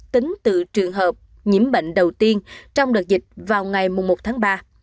tính từ trường hợp nhiễm bệnh đầu tiên trong đợt dịch vào ngày một tháng ba